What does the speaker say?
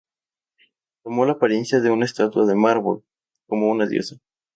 Tomó la apariencia de una estatua de mármol —como una diosa—.